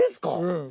うん。